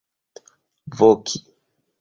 voki